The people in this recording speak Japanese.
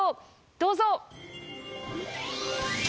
どうぞ！